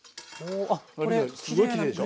この緑すごいきれいでしょ。